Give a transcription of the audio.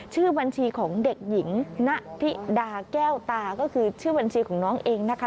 ชื่อบัญชีของเด็กหญิงณธิดาแก้วตาก็คือชื่อบัญชีของน้องเองนะคะ